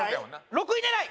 ６位狙い！